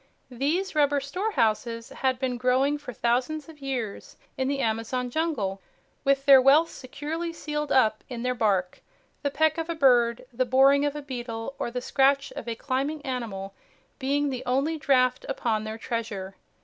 These rubber storehouses had been growing for thousands of years in the Amazon jungle with their wealth securely sealed up in their bark, the peck of a bird, the boring of a beetle, or the scratch of a climbing animal being the only draft upon their treasure.